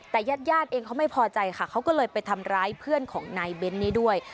แต่ญาติญาติเองเขาไม่พอใจค่ะเขาก็เลยไปทำร้ายเพื่อนของนายเบ้นนี้ด้วย